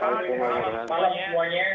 selamat malam semuanya